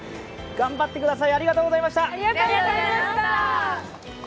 頑張ってください。